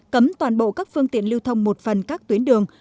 cấm toàn bộ các phương tiện lưu thông một phần các tuyến đường